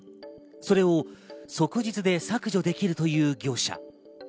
それを即日で削除できるという業者。